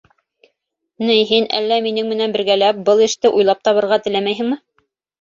Ни, һин, әллә минең менән бергәләп, был эште уйлап табырға теләмәйһеңме?